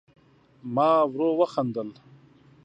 ما ورو وخندل